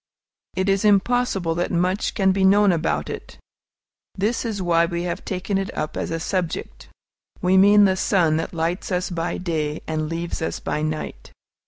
It is impossible that much can be known about it. This is why we have taken it up as a subject. We mean the sun that lights us by day and leaves us by night.